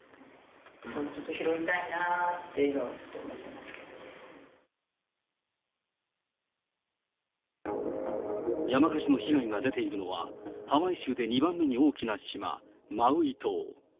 ちょっと拾いたいなっていうのは、山火事の被害が出ているのは、ハワイ州で２番目に大きな島、マウイ島。